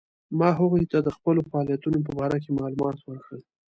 ما هغوی ته د خپلو فعالیتونو په باره کې معلومات ورکړل.